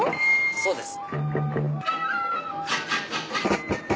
そうです。